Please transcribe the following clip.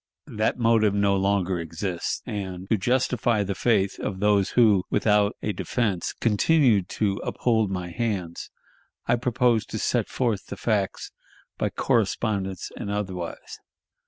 That motive no longer exists; and, to justify the faith of those who, without a defense continued to uphold my hands, I propose to set forth the facts by correspondence and otherwise.